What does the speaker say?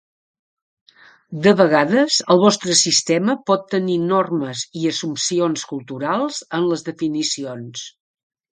De vegades, el vostre sistema pot tenir normes i assumpcions culturals en les definicions.